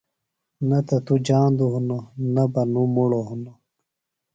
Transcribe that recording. نہ تو جاندوۡ ہِنوۡ نہ نوۡ مُڑو ہِنوۡ۔